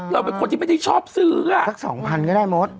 เราเป็นคนที่ไม่ได้ชอบซื้ออ่ะสักสองพันก็ได้หมด